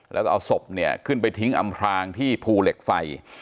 แล้วก็เอาศพเนี่ยขึ้นไปทิ้งอำพรางที่ภูเหล็กไฟ